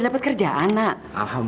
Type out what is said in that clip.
ya ya allah